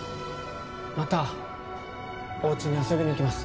またおうちに遊びに行きます